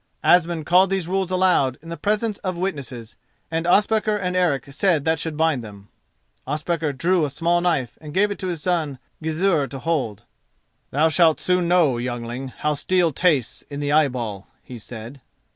Asmund called these rules aloud in the presence of witnesses, and Ospakar and Eric said that should bind them. Ospakar drew a small knife and gave it to his son Gizur to hold. "Thou shalt soon know, youngling, how steel tastes in the eyeball," he said.